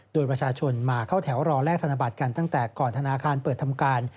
โดยประชาชนมาเข้าแถวรอแลกธนบัตรกันตั้งแต่ก่อนธนาคารเปิดทำการ